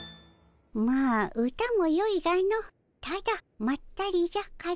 まあ歌もよいがのただまったりじゃカズマ。